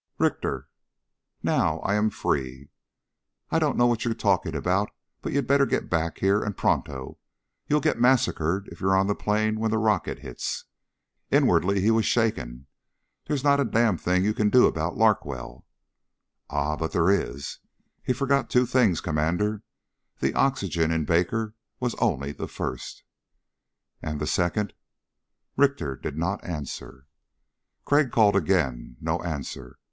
"Richter...?" "Now I am free." "I don't know what you're talking about, but you'd better get back here and pronto. You'll get massacred if you're on the plain when the rocket hits." Inwardly he was shaken. "There's not a damn thing you can do about Larkwell." "Ah, but there is. He forgot two things, Commander. The oxygen in Baker was only the first." "And the second?" Richter did not answer. Crag called again. No answer.